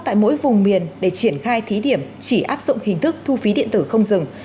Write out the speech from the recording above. tại mỗi vùng miền để triển khai thí điểm chỉ áp dụng hình thức thu phí điện tử không dừng